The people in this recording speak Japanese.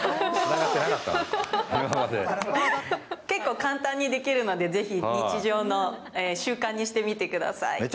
結構簡単にできるので、ぜひ日常の習慣にしてみてください。